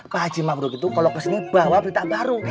pak haji mabruk itu kalo kesini bawa berita baru